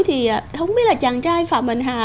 thì không biết là chàng trai phạm bình hà